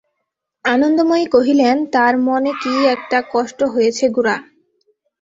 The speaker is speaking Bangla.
আনন্দময়ী কহিলেন, তার মনে কী একটা কষ্ট হয়েছে গোরা।